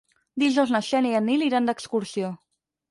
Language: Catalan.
Dijous na Xènia i en Nil iran d'excursió.